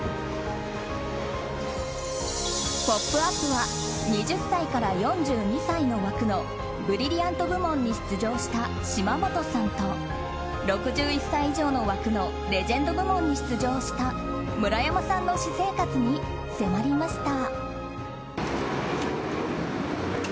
「ポップＵＰ！」は２０歳から４２歳の枠のブリリアント部門に出場した島本さんと６１歳以上の枠のレジェンド部門に出場した村山さんの私生活に迫りました。